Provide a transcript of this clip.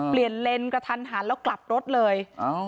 เปลี่ยนเลนส์กระทันหันแล้วกลับรถเลย